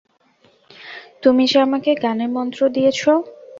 তুমি যে আমাকে গানের মন্ত্র দিয়েছ।